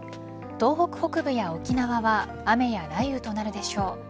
東北北部や沖縄は雨や雷雨となるでしょう。